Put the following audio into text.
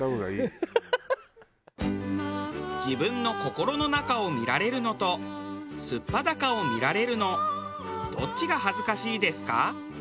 自分の心の中を見られるのと素っ裸を見られるのどっちが恥ずかしいですか？